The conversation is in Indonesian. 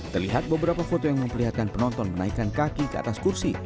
terlihat beberapa foto yang memperlihatkan penonton menaikkan kaki ke atas kursi